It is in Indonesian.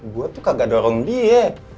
gue tuh kagak dorong diet